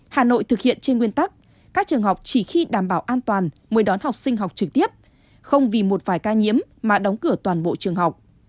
hà nội thực hiện trên nguyên tắc các trường học chỉ khi đảm bảo an toàn mới đón học sinh học trực tiếp không vì một vài ca nhiễm mà đóng cửa toàn bộ trường học